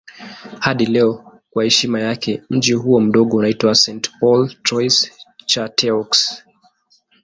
Hadi leo kwa heshima yake mji huo mdogo unaitwa St. Paul Trois-Chateaux.